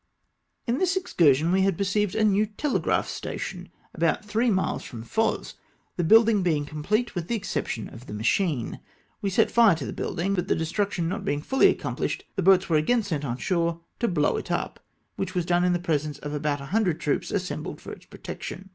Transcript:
In this excursion we had perceived a new telegraph station, about three miles from Foz, the building being complete with the exception of the machine. We set fire to the building, but the destruction not being fully accomphshed, the boats were again sent on shore to blow it up, which was done in the presence of about a hundred troops assembled for its protection.